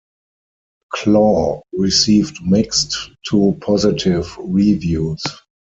"Claw" received mixed-to-positive reviews.